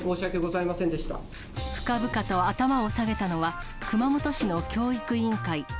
深々と頭を下げたのは、熊本市の教育委員会。